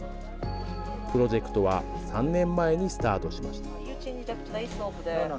プロジェクトは３年前にスタートしました。